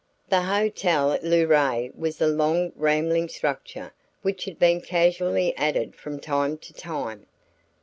The hotel at Luray was a long rambling structure which had been casually added to from time to time.